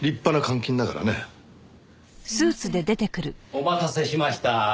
お待たせしました。